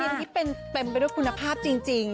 ศิลปินที่เป็นไปด้วยคุณภาพจริง